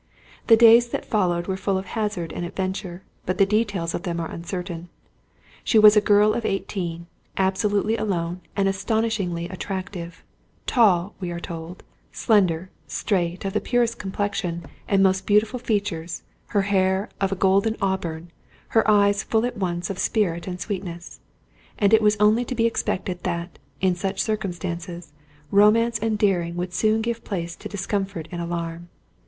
The days that followed were full of hazard and adventure, but the details of them are uncertain. She was a girl of eighteen, absolutely alone, and astonishingly attractive—"tall," we are told, "slender, straight, of the purest complexion, and most beautiful features; her hair of a golden auburn, her eyes full at once of spirit and sweetness;" and it was only to be expected that, in such circumstances, romance and daring would soon give place to discomfort and alarm.